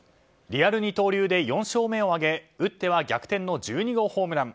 リアル二刀流で４勝目を挙げ打っては逆転の１２号ホームラン。